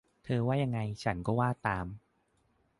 เธอว่ายังไง ฉันว่าตาม